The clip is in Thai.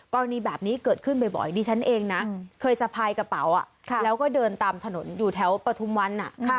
กรณีแบบนี้เกิดขึ้นบ่อยดิฉันเองนะเคยสะพายกระเป๋าแล้วก็เดินตามถนนอยู่แถวปฐุมวัน